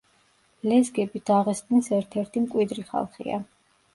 ლეზგები დაღესტნის ერთ-ერთი მკვიდრი ხალხია.